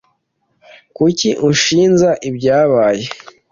Kuki unshinja ibyabaye?